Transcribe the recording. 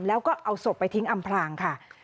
แล้วเอาศพไปทิ้งอำพลาง